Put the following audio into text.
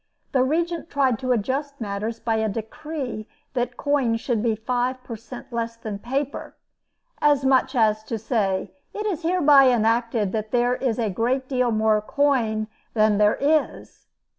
The Regent tried to adjust matters by a decree that coin should be five per cent. less than paper; as much as to say, It is hereby enacted that there is a great deal more coin than there is!